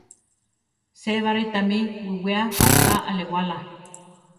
Sébari tami biʼwéa pachá alewála.